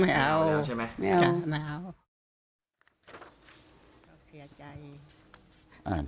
ไม่เอาไม่เอาใช่ไหมไม่เอา